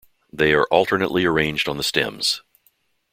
They are alternately arranged on the stems.